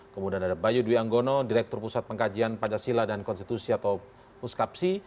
kemudian ada bayu dwi anggono direktur pusat pengkajian pancasila dan konstitusi atau puskapsi